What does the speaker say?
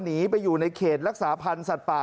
หนีไปอยู่ในเขตรักษาพันธ์สัตว์ป่า